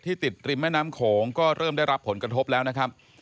ติดริมแม่น้ำโขงก็เริ่มได้รับผลกระทบแล้วนะครับ